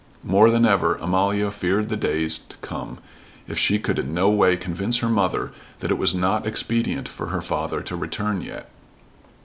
More than ever Amalia feared the days to come if she could in no way convince her mother that it was not expedient for her father to return yet.